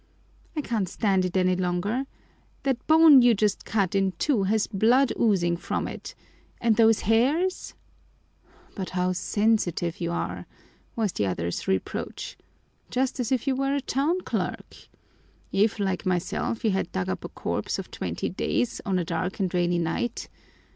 "I can't stand it any longer! That bone you're just cut in two has blood oozing from it and those hairs?" "But how sensitive you are!" was the other's reproach. "Just as if you were a town clerk! If, like myself, you had dug up a corpse of twenty days, on a dark and rainy night